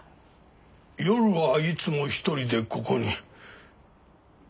夜はいつも一人でここに。